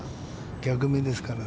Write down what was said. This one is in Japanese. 逆目ですからね。